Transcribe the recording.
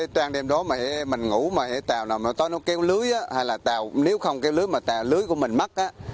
trang đêm đó mình ngủ mà tàu nào nó kéo lưới hay là tàu nếu không kéo lưới mà tàu lưới của mình mất